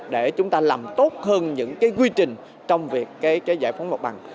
để chúng ta làm tốt hơn những cái quy trình trong việc cái giải phóng mặt bằng